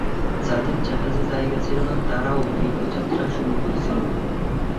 যাদের জাহাজে জায়গা ছিল না তারাও দীর্ঘ যাত্রা শুরু করেছিল।